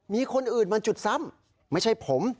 มีคนอื่นมาจุดซ้ำไม่ใช่ผม